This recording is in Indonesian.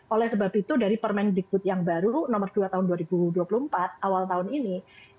oleh sebab itu dari permendikbud yang baru nomor dua tahun dua ribu dua puluh empat awal tahun ini